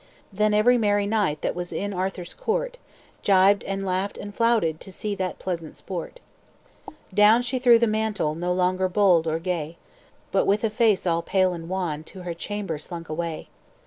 "Then every merry knight, That was in Arthur's court, Gibed and laughed and flouted, To see that pleasant sport. "Down she threw the mantle, No longer bold or gay, But, with a face all pale and wan To her chamber slunk away.